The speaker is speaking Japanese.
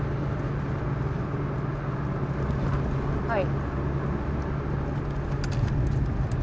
はい。